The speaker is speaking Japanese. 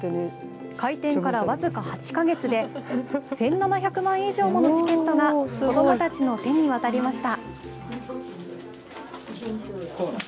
開店から僅か８か月で１７００枚以上ものチケットが子どもたちの手に渡りました。